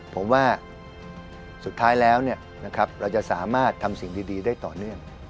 ผมว่าสุดท้ายแล้วเราจะสามารถทำสิ่งดีได้ต่อเนื่อง